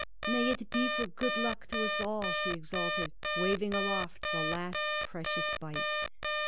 "May it be for good luck to us all!" she exulted, waving aloft the last precious bite.